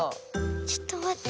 ちょっとまって。